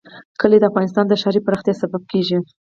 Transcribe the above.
کلي د افغانستان د ښاري پراختیا سبب کېږي.